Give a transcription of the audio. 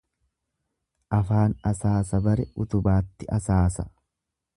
Afaan asaasa bare utubaatti asaasa.